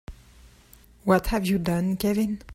What have you done Kevin?